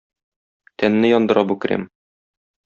Тәнне яндыра бу крем.